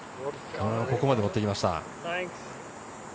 ここまで持ってきました。